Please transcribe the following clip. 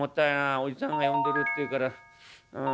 おじさんが呼んでるっていうからああ。